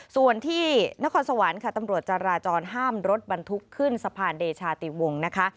ส่วนที่นครสวรรค์ค่ะตำรวจจาราจรห้ามรถบรรทุกขึ้นสะพานเดชาติวงศ์นะคะ